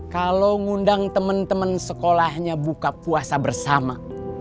kalau ngundang temen temen sekolahnya buka puasa bersama